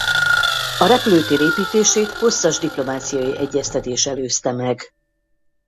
A repülőtér építését hosszas diplomáciai egyeztetés előzte meg.